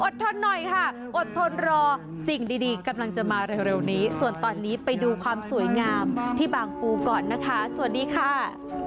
ทนหน่อยค่ะอดทนรอสิ่งดีกำลังจะมาเร็วนี้ส่วนตอนนี้ไปดูความสวยงามที่บางปูก่อนนะคะสวัสดีค่ะ